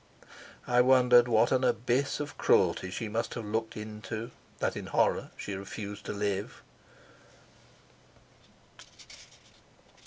I wondered what an abyss of cruelty she must have looked into that in horror she refused to live.